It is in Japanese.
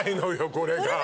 これが。